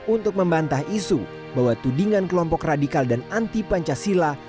untuk membantah isu bahwa tudingan kelompok radikal dan anti pancasila